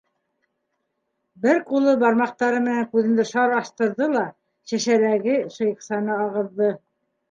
Бер ҡулы бармаҡтары менән күҙемде шар астырҙы ла, шешәләге шыйыҡсаны ағыҙҙы.